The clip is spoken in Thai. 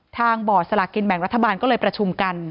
ทางบ่อสลักกินแบ่งรัฐบาลก็เลยประชุมกัน